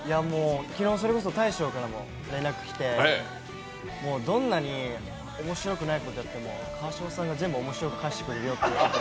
昨日それこそ大昇からも連絡来てどんなに面白くないことやっても川島さんが全部面白く返してくれるよって言われて。